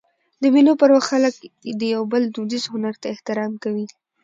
د مېلو پر وخت خلک د یو بل دودیز هنر ته احترام کوي.